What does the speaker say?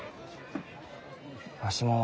わしも。